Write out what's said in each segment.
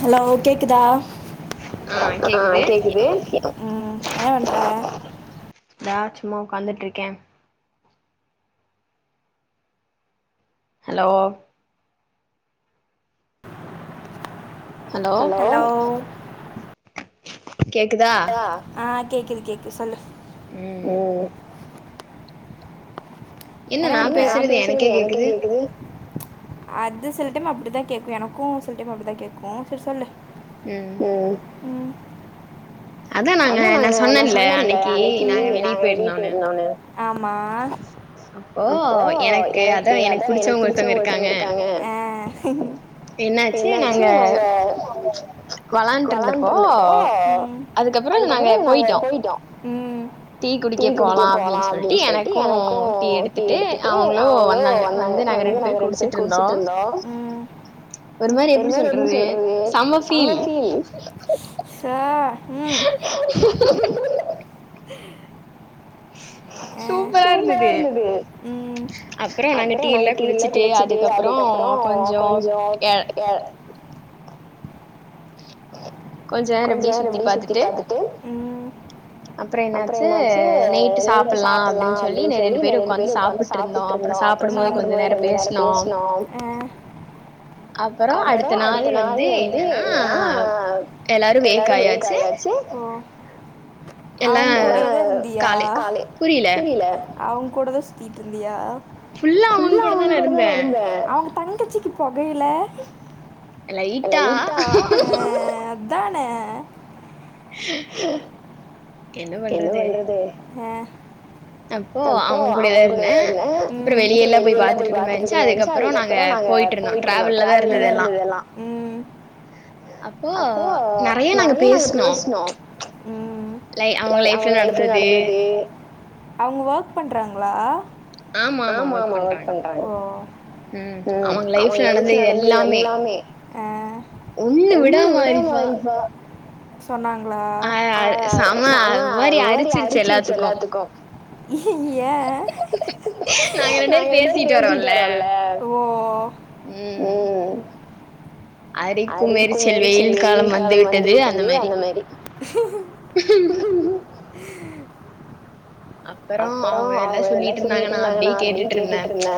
hello கேக்குதா ஆ கேக்குது உம் என்ன வன்ற தா சும்மா உக்காந்துட்டுருக்கே ஹலோ ஹலோ கேக்குதா ஆ கேக்குது கேக்குது சொல்லு என்ன பண்ற என்ன நா பேசுறது எனக்கே கேக்குது அது சில டைம் அப்டிதா கேக்கு எனக்கு சில டைம் அப்டிதா கேக்கு செரி சொல்லு ம் அதா நாங்க நா சொன்னேன்ல அன்னைக்கி நாங்க வெளியே போயிருந்தோனு அப்போ எனக்கு அதா எனக்கு புடிச்சவங்க ஒருத்தவங்க இருக்காங்க என்னாச்சி நாங்க வெளான்டு இருந்தப்போ அதுக்கப்றோ நாங்க போயிட்டோ டி குடிக்க போலா அப்டின் சொல்ட்டு எனக்கு டீ எடுத்துட்டு அவங்களே வந்தாங்க வந்து நாங்க ரெண்டு பேரு குடிச்சிட்டு இருந்தா உம் ஒரு மாறி எப்டி சொல்றது செமபீல் ச உம் சூப்பரா இருந்தது அப்பறோ நாங்க டீ எல்லா குடிச்சிட்டு அதுக்கப்றோ கொஞ்சோ ஆ கொஞ்சோ நேரோ இப்டியு சுத்தி பாத்துட்டு அப்றோ என்னாச்சு நைட்டு சாப்பளா அப்டின் சொல்லி ரெண்டு பேரு உகாந்து சாப்புட்ருந்தோ அப்றோ சாப்டு போது கொஞ்சோ நேரோ பேஸ்னோ அப்பறோ அடுத்த நாள் வந்து என்னன்னா எல்லாரு வேக் ஆயாச்சு அவுங்கூடவே இருந்தியா ஃபுள்ளா அவங்க கூடதா இருந்த அவங்க தங்கங்கட்சிக்கு பொகையில ஆ ஆ ஆ அதான என்ன பண்றது அப்போ அவங் கூடாதா இருந்தே அப்றோ வெளியல்லா போய் பாத்துட்டு இருக்கன் நெனச்ச அதுக்கப்றோ நாங்க போயிட்டு இருந்தோ டிராவல்லதா இருந்தோ எல்லா அப்போ நெறைய நாங்க பேசினோ அவங்க ஒர்க் பண்றாங்ளா ஆமா ஆமா ஒர்க் பண்றாங்க உம் அவங்க லைஃப்ல நடந்த எல்லாமே ஒண்ணு விடாம ஹரிப்ஹா ஆ செம அது மாரி அரிச்சிருச்சி எல்லாத்துக்கு ஏ நாங்க ரெண்டு பேரு பேசிட்டு வரோம்ல உம் அரிக்கு மேரி செல்வி வெயில் காலோ வந்து விட்டது அந்த மாரி அப்பறோ அவங்க எல்லா சொல்லிட்ருந்தாங்க நா அப்டியே கேட்டுட்ருந்தே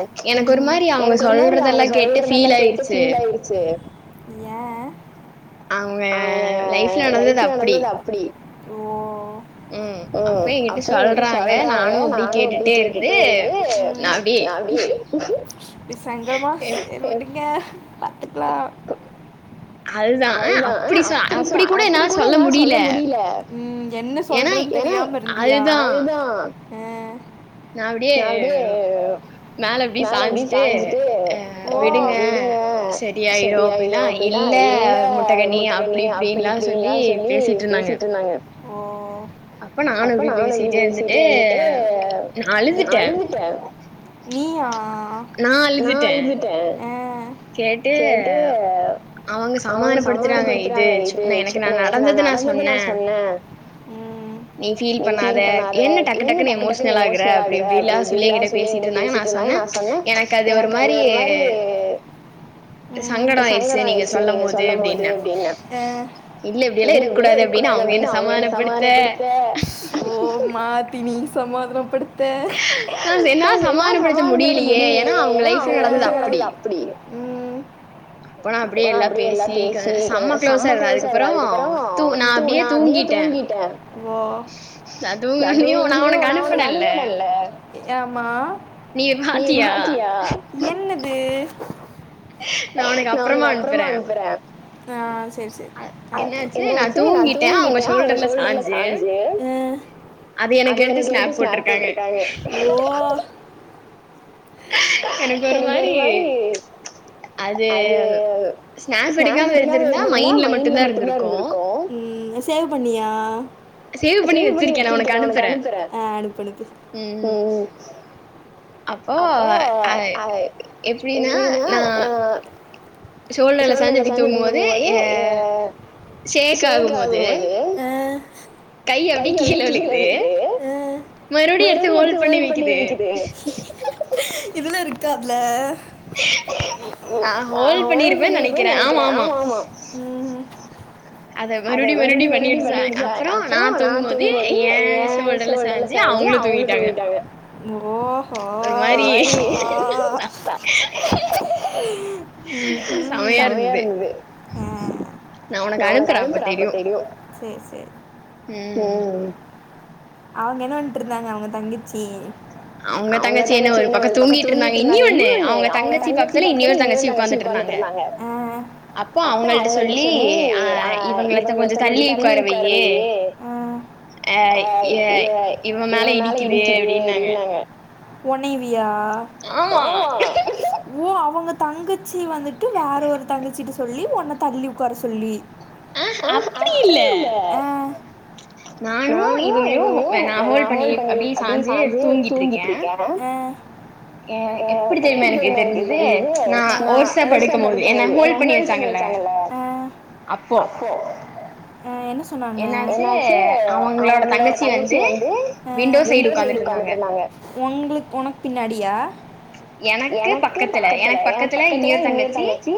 எனக் ஒரு மாரி அவங்க சொல்றதெல்லா கேட்டு பீல் ஆயிடுச்சு அவங்க லைஃப்ல நடந்தது அப்டி உம் அப்யே எங்ட்ட ச சொல்றாங்க நானு அப்டி கேட்டுட்டே இருந்தே நா அப்டியே ஏ தொடைங்க பாத்துக்ளா அதுதா ஆ அப்டி ச அப்டி கூட என்னால சொல்ல முடில உம் என்ன சொல்றதுன் தெரியாம இருந்தியா உம் நா அப்டியே மேல அப்டி சாஞ்சுட்டு விடுங்க சரியாயிடு அப்டிலா இல்ல முட்டகண்ணி அப்டி இப்டின்ல்லா சொல்லி பேசிட்ருந்தாங்க ஓ அப்ப நானு அப்டி பேசிட்டு பேசிட்டே இருந்துட்டு அழுந்துட்டே நா அழுதுட்டே கேட்டு அவங்க சமாதானப்படுத்துறாங்க இது எனக்கு நா நடந்தத நா சொன்னே ம் நீ ஃபீல் பண்ணாத நா அத என்ன டக்கு டக்குன்னு எமோஷனல் ஆகுற அப்டி இப்டிலா சொல்லி எங்கிட்ட பேசிட்ருந்தாங்க நா சொன்னே எனக்கு அது ஒரு மாரி சங்கடம் ஆயிடுச்சு நீங்க சொல்லு போது அப்டின்னே இல்ல இப்டியலா இருக்கூடாது அப்டின் அவங்க என்ன சமாதானப்படுத்த ஓ மாத்தி நீ சமாதான படுத் [unintelligible] என்னால என்ன சமாதானப்படுத்த முடியலலியே ஏனா அவுங்க லைஃப் நடந்தது அப்பிடி ம் அப்றோ அப்டியே எல்லா பேசி செம்ம க்ளோஸா எல்லார் கிட்டோ அதுக்கப்பறோ து நா அப்டியே தூங்கிட் டே அதுவு நீ ஒன்னு நா ஒன்னு உனக்கு அனுப்புனே இல்ல ஆமா நீ பாத்தியா என்னது நா உனக்கு அப்றமா அனுப்புறே என்னாச்சு நா தூங்கிட்டே அவங்க ஷோல்டர்ல சாஞ்சி அத எனக்கு எடுத்து ஸ்னாப் போட்ருக்காங்க எனக்கு ஒரு மாரி அது ஸ்நாப் எடுக்காம இருந்திருந்தா மைண்ட்ல மட்டும்தா இருந்திருக்கூ கி அத சேவ் பண்ணியா சேவ் பண்ணி வச்சிருக்கே நா உனக்கு அனுப்புறோ ம் ம் அப்போ அ எப்டின்னா நா சோல்டர்ல சாஞ்சுட் இருந்த போதே ஷேக் ஆவூ போது கை அப்டியோ கீல விலுகுது மறுபடியூ எடுத்து மேல் பண்ணி வைக்கிதூ நா ஹோல்ட் பண்ணிருவ்வோ நெனைக்கிறே ஆமா ஆமா அத மறுபடியூ மறுபடியூ பண்ணிடிச்சா அப்பறோ நா தூங்கும்போது ஏ சோல்டர்ல சாஞ்சு அவங்களூ தூங்கிட்டாங்க ஒருமாறி செமையா இருந்தது நா உனக் நா உனக்கு அனுப்பறே அப்போ தெரியூ அவுங்க என்ன பன்ட்ருந்தாங்க அவுங்க தங்கச்சி அவுங்க தங்கச்சி என்ன பன் ஒரு பக்கந் தூங்கிட்ருந்தாங்க இன்னீனோன்னு அவுங்க தங்கச்சி பக்கத்துல இன்னியொரு தங்கச்சி ஒக்காந்துர் ருந்தாங்க அப்ப அவங்கள்ட சொல்லி அ இவுங்களத்த கொஞ்சோ தள்ளி உக்கார போய்யி ஆய் ஏய் இவுங்க மேல இடிக்குது அப்டின்னாங்க உன்னவியா ஆமா ஓ ஓ அவுங்க தங்கச்சி வந்துட்டு வேற ஒரு தங்கச்சிட்ட சொல்லி உன்ன தள்ளி் உக்கார சொல்லி அ அப்டியில்ல அ நானு இவுங்களையு வே நா ஹோல் பண்ணி அப்டி சாஞ்சி தூங்கிட்டிருக்கே அ அ எப்டி தெரிமா எனக்கே தெரிஞ்சது நா ஓசா படிக்கும்போது என்ன ஹோல் பண்ணி வெச்சாங்கல்ல அப்போ அ என்ன சொ என்னாச்சக அவங்களோட தங்கச்சி வந்து விண்டோ சைடு ஒக்காந்துட்டு இருந்தாங்க ஒங்ளுக் ஒனக் பின்னாடியா எனக்கு பக்கத்துல எனக் பக்கத்துல இன்னியொரு தங்கச்சி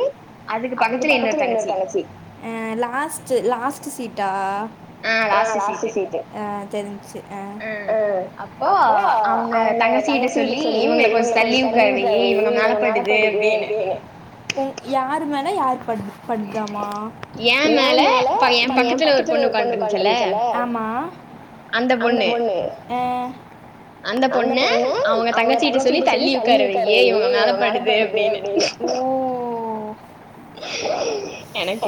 அதுக்கு பக்கத்துல இன்னொரு தங்கச்சி் அ அ லாஸ்ட்டு சீட்டு அ அப்போ அவுங்க தங்கச் சிட்ட சொல்லி இவுங்கள கொஞ்சோ தள்ளி ஒக்கார வெய்யி இவுங்க மேலப்படுது அப்டின் உ யாரு மேல யார் படு படுதாமா எயே மேல பைய ஏம் பக்கத்துல ஒரு பொண்ணு ஒக்காண்டு இருச்சல்ல அந்த பொண்ணு அந்த பொண்ணு அவுங்க தங்கச்சிட்ட சொல்லி தள்ளி ஒக்கார வையி இவுங்க மேலப்படுது அப்டின்னு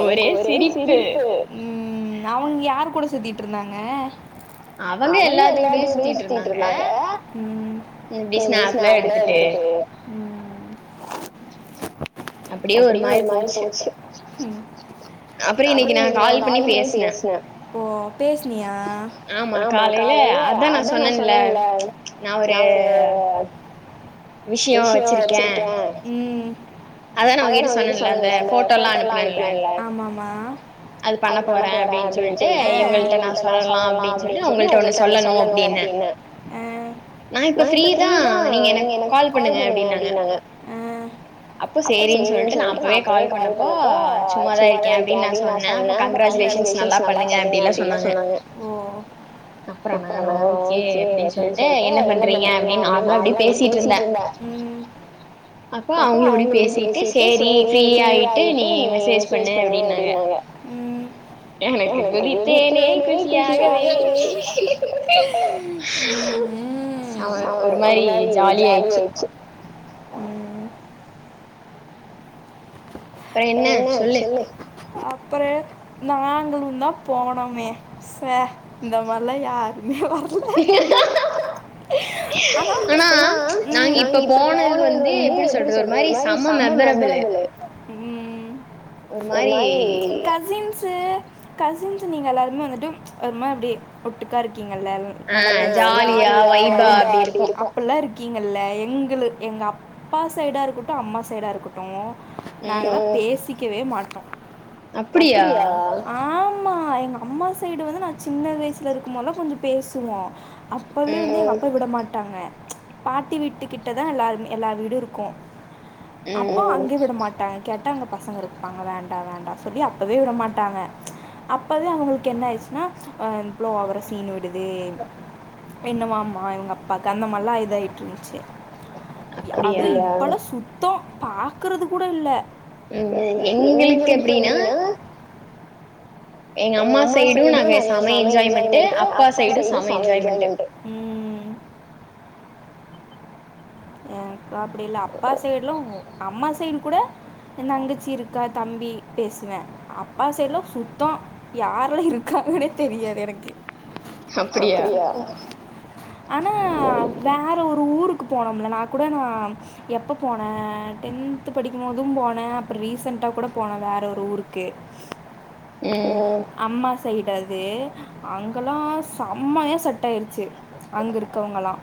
எனக்கு ஒரே சிரிப்பு ம் அவுங்க யார் கூட சுத்திட்டு இருந்தாங்க அவுங்க எல்லாத்தோடயு சுத்திட்டு இருந்தாங்க மறுபடி ஸ்னாப் எடுத்துட்டு அப்டியு ஒரு மாரி போச்சு அப்றோ இன்னிக்கி நா கால் பண்ணி பேஸ்னே ஓ பேஸ்னியா ஆமா காலைல அதா நா சொன்னேல்ல நா ஒரு விஷயோ வெச்சிருக்க அதா நா ஒங்ககிட்ட சொன்னல்ல அந்த ஃபோட்டோ எல்லா அனுப்புனாங்கல்ல அது பண்ண போற அப்டின் சொல்ட்டு இவுங்கள்ட நா சொல்லலா அப்டின் சொல்ட்டு ஒங்கள்ட ஒன்னு சொல்லணு அப்டின்ன அ நா இப்ப ஃப்ரீதா நீங்க எனக்கு கால் பண்ணுங்க அப்டின்னாங்க அப்ப சேரின் சொல்ட்டு நா அப்பவே கால் பண்ணப்போ சும்மாதா இருக்கே அப்டின் நா சொன்ன கங்ராஜுலேஷன்ஸ் நல்லா பண்ணுங்க அப்டில்லா சொன்னாங்க அப்றோ நானு ஓகே அப்டின் சொல்ட்டு என்ன பண்றீங்க அப்டின் நார்மலா அப்டி பேசிட்டிருந்த ம் அப்ப அவுங்க இப்டி பேசிட்டு சேரி ஃப்ரீ ஆயிட்டு நீ மெசேஜ் பண்ணு அப்டின்னாங்க எனக்கு குதிப்பேனே குஷியாகவே ஆமா ஒரு மாரி ஜாலியா ஆயிட்சி அப்பற நாங்களுந்தா போனோமே ச இந்த மார்லா யாருக்மே வரக் [inaudible] போனா நாங்க இப்போ போனவங்க வந்து எப்டி சொல்றது ஒரு மாரி செம மெம்பறபலு ம் ஒரு மாரி து கசின்ஸ் நீங்க எல்லாருமே வந்துட்டு ஒருமா அப்டே ஒட்டுக்கா இருக்கீங்க இல்ல நல்லா பேசிட்டே அப் அப்புல்லா இருக்கீங்கல்ல எங்களுக் எங்க அப்பா சைடா இருக்கட்டோ அம்மா சைடா இருக்கட்டோம் நாங்கலா பேசிக்கவே மாட்டோ அப்டியா ஆமா எங்க அம்மா சைடு வந்து நா சின்ன வயிஸ்ல இருக்கும்போதுலா கொஞ்சோ பேசுவோ அப் அந்த அளவுக்கு எங்க அப்பா விடமாட்டங்க பாட்டி வீட்டு கிட்டதா எல்லார்மே எல்லா வீடும் இருக்கும் அப்பா அங்கியு விட மாட் ம் கேட்டா அங்க பசங்க இருப்பாங்க வேண்டா வேண்டா சொல்லி அப்பவே விடமாட்டாங்க அப்பவே அவுங்களுக்கு என்ன ஆயிருச்சினா ஆ இந்த புள்ளோ ஓவரா சீனு விடுது என்னவாமா இவுங்க அப்பாக்கு அந்த மார்ல்லா இதாயிட்ருந்துச்சி அவரு இப்பலா சுத்தொ பாக்கறது கூட இல்ல ம் எங்களுக்கே அப்டினா எங்க அம்மா சைடும் நாங்க செம என்ஜாய்மெண்ட்டு அப்பா சைடும் செம என்ஜாய்மெண்ட்டு ம் எனக்கு அப்டி இல்ல அப்பா சைட்லு அம்மா சைடு கூட எ தங்கச்சி இருக்கா தம்பி பேசுவே அப்பா சைட்லா சுத்தோ யாருலா இருக்காங்கனே தெரியாது எனக்கு அப்டியா ஆனா வேற ஒரு ஊருக்கு போனோ இல்லனா கூட நா எப்ப போனே டென்த்து படிக்கும் மோதும் போன அப்றோ ரீசன்டா கூட போன வேற ஒரு ஊருக்கு ம் அம்மா சைடு அது அங்கலா செமையா செட் ஆயிருச்சி அங்க இருக்கவுங்களா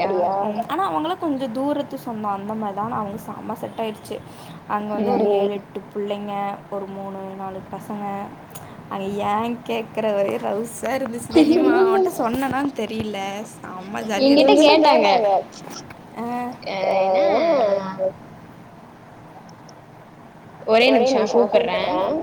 அப்டியா ம் ஆனா அவங்களு கொஞ்சோ தூரத்து சொந்த அந்த மாரிதா ஆனா அவங்க செம செட் ஆயிடுச் சி அங்க வந்து ஒரு ரெ ட்டு புள்ளைங்க ஒரு மூணு நாலு பசங்க அங்கே ஏ கேக்கற ஒரே ரவுஸ் தா இருந்துச்சி தெரியுமா நா மட்டும் சொன்னனான் தெரியல சமா ஜாலியா இருந்துச்சு கொஞ்சோன்டு கேப்பாங்க ஆ என்னது ஆ ஒரே நிமிஷம் கூப்பறன்